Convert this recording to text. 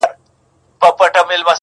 څنگه ساز دی څه مستې ده، څه شراب دي,